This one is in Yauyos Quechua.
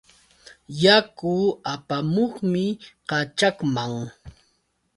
Yaku apamuqmi kaćhaqman.